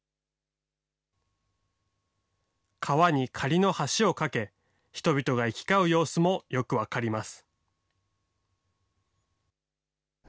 川に仮の橋を架け、人々が行き交う様子もよく分かります。